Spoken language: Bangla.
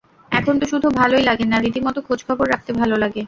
এখন তো শুধু ভালোই লাগে না, রীতিমতো খোঁজখবর রাখতে ভালো লাগে।